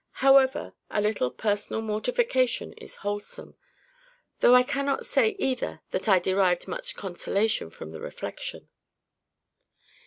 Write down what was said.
However, a little personal mortification is wholesome—though I cannot say either that I derived much consolation from the reflection.